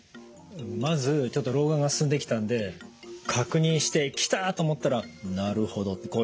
まずちょっと老眼が進んできたんで確認してキターと思ったらなるほど！ってこういう感じですね。